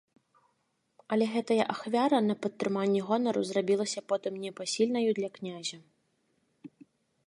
Але гэтая ахвяра на падтрыманне гонару зрабілася потым непасільнаю для князя.